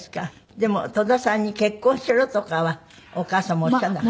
でも戸田さんに結婚しろとかはお母様おっしゃらなかった？